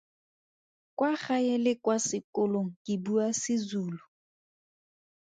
Kwa gae le kwa sekolong ke bua Sezulu.